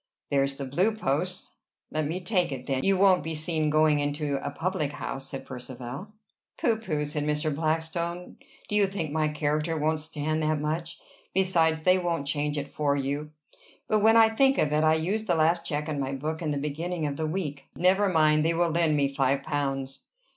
"There's the Blue Posts." "Let me take it, then. You won't be seen going into a public house?" said Percivale. "Pooh! pooh!" said Mr. Blackstone. "Do you think my character won't stand that much? Besides, they wouldn't change it for you. But when I think of it, I used the last check in my book in the beginning of the week. Never mind; they will lend me five pounds."